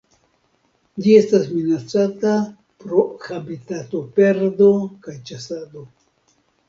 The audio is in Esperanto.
Ĝi estas minacata pro habitatoperdo kaj ĉasado.